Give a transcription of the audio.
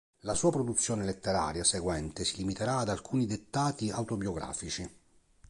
La sua produzione letteraria seguente si limiterà ad alcuni "dettati" autobiografici.